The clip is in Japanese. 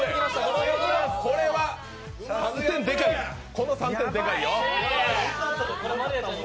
この３点でかいよ。